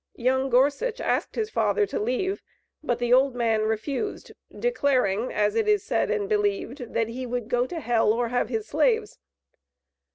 Young Gorsuch asked his father to leave, but the old man refused, declaring, as it is said and believed, that he would "go to hell, or have his slaves."